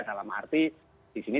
dalam arti disini